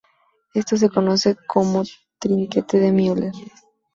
Esto se conoce como trinquete de Muller.